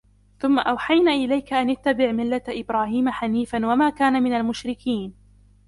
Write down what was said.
ثُمَّ أَوْحَيْنَا إِلَيْكَ أَنِ اتَّبِعْ مِلَّةَ إِبْرَاهِيمَ حَنِيفًا وَمَا كَانَ مِنَ الْمُشْرِكِينَ